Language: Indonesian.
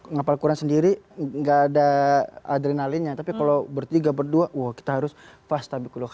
ngapal kurang sendiri nggak ada adrenalinnya tapi kalau bertiga berdua wah kita harus